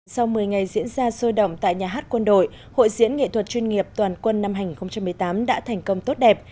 sau một mươi ngày diễn ra sôi động tại nhà hát quân đội hội diễn nghệ thuật chuyên nghiệp toàn quân năm hai nghìn một mươi tám đã thành công tốt đẹp